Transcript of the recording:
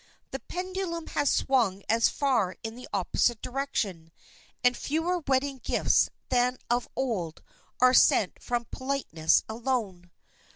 The pendulum has swung as far in the opposite direction, and fewer wedding gifts than of old are sent from politeness alone.